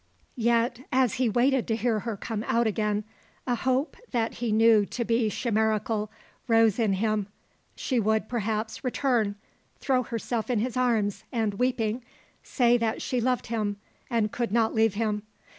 Yet, as he waited to hear her come out again, a hope that he knew to be chimerical rose in him. She would, perhaps, return, throw herself in his arms and, weeping, say that she loved him and could not leave him.